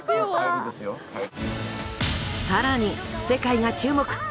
更に世界が注目！